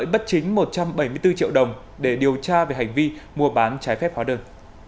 bán trái phép hóa đơn